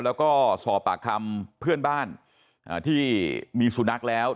แล้วก็สอบปากคำเพื่อนบ้านที่มีสุนัขแล้ว